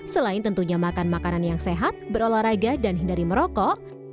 selain tentunya makan makanan yang sehat berolahraga dan hindari merokok